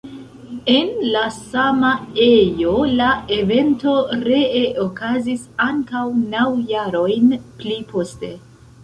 En la sama ejo la evento ree okazis ankaŭ naŭ jarojn pli poste.